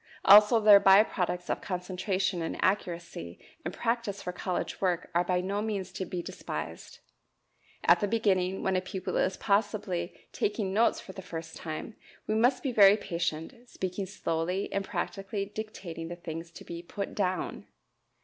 Also their by products of concentration and accuracy and practice for college work are by no means to be despised. At the beginning, when a pupil is possibly taking notes for the first time, we must be very patient, speaking slowly and practically dictating the things to be "put down."